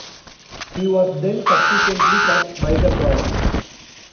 He was then subsequently cut by the Browns.